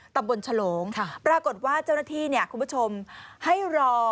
ตำบลฉลงปรากฏว่าเจ้าหน้าที่เนี่ยคุณผู้ชมให้รอ